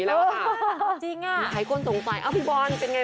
เห็นะแต่ใครสนมไลน์พี่บอลเป็นไงฮะ